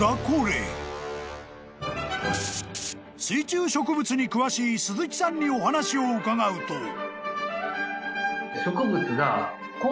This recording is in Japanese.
［水中植物に詳しい鈴木さんにお話を伺うと］